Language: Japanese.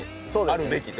あるべき。